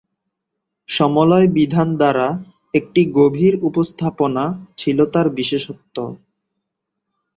সমলয় বিধান দ্বারা একটি গভীর উপস্থাপনা ছিল তাঁর বিশেষত্ব।